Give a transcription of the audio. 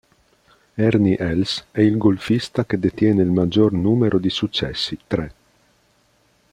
Ernie Els è il golfista che detiene il maggior numero di successi, tre.